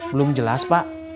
belum jelas pak